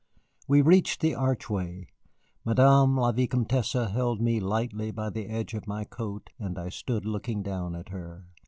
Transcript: We reached the archway. Madame la Vicomtesse held me lightly by the edge of my coat, and I stood looking down at her.